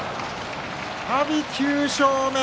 阿炎、９勝目。